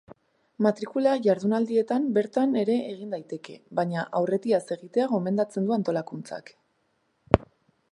Matrikula jardunaldietan bertan ere egin daiteke, baina aurretiaz egitea gomendatzen du antolakuntzak.